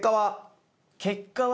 結果は？